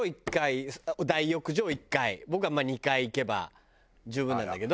僕はまあ２回行けば十分なんだけど。